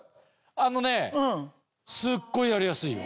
あのねすっごいやりやすいよ。